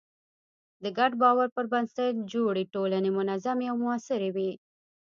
د ګډ باور پر بنسټ جوړې ټولنې منظمې او موثرې وي.